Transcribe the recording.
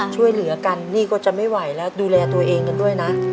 ช่วยเหลือกันนี่ก็จะไม่ไหวแล้วดูแลตัวเองกันด้วยนะ